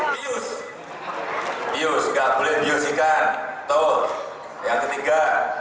bius bius nggak boleh bius ikan satu yang ketiga